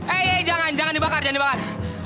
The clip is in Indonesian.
eh eh jangan jangan dibakar jangan dibakar